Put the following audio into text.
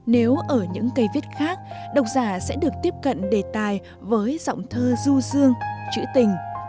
nếu ở những cây viết khác độc giả sẽ được tiếp cận đề tài với giọng thơ du dương chữ tình